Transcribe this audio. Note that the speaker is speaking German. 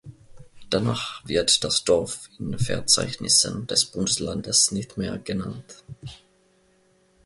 Danach wird das Dorf in Verzeichnissen des Bundeslandes nicht mehr genannt.